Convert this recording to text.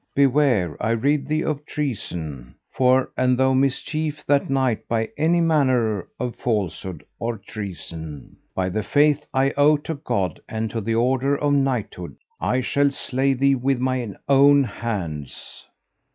Beware, I rede thee, of treason, for an thou mischief that knight by any manner of falsehood or treason, by the faith I owe to God and to the order of knighthood, I shall slay thee with mine own hands.